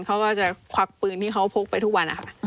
เขาก็จะควักปืนที่เขาพกไปทุกวันนะคะ